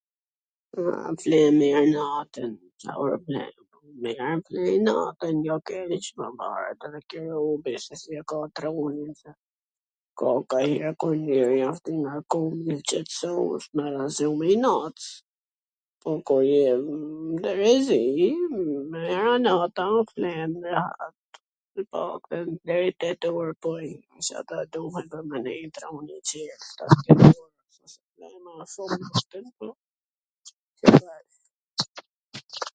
A flej mir natwn, sa ora flej? Mir fle natwn, jo keq, po varet edhe ke robi se si e ka trunin, ka kanjher kur njeriu wsht i ngarkum qetsohesh me ra se je me inat, po kur je m terezi, me ra nata flen rehat, tw paktwn deri tet or .... po njw er, du me nejt edhe un njiCik ....